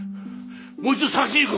もう一度捜しに行く。